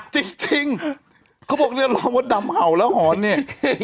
จริงเขาบอกเนี่ยรอมดดำเห่าแล้วหอนเนี่ย